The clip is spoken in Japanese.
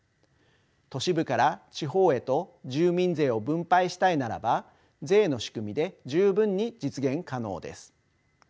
都市部から地方へと住民税を分配したいならば税の仕組みで十分に実現可能です。